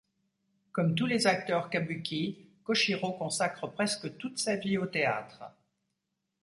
Comme tous les acteurs kabuki, Kōshirō consacre presque toute sa vie au théâtre.